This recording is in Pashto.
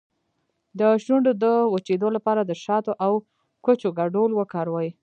د شونډو د وچیدو لپاره د شاتو او کوچو ګډول وکاروئ